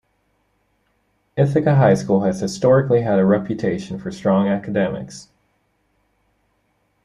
Ithaca High School has historically had a reputation for strong academics.